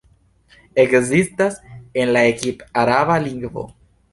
Ekzistas en la egipt-araba lingvo.